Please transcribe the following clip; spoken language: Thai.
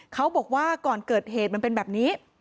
เขาบอกว่าก่อนเกิดเหตุมันเป็นแบบนี้